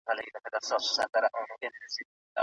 وزیران به د وګړو غوښتنو ته غوږ نیسي.